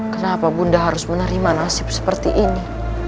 kenapa bunda harus menerima nasib seperti ini